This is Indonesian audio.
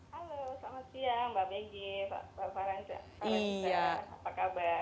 halo selamat siang mbak peggy mbak farhan mbak lisa apa kabar